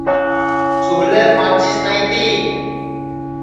چولھیپ ماچِس نائی تی